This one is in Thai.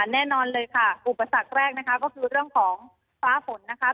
แน่นอนเลยค่ะอุปสรรคแรกนะคะก็คือเรื่องของฟ้าฝนนะคะ